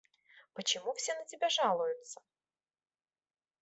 Почему все на тебя жалуются?